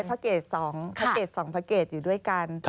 ใช่พระเกรดสองพระเกรดสองพระเกรดอยู่ด้วยกัน